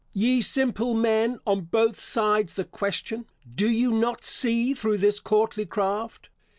Ye simple men on both sides the question, do you not see through this courtly craft?